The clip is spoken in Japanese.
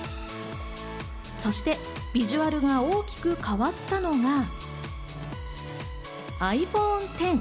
そしてビジュアルが大きく変わったのがｉＰｈｏｎｅＸ。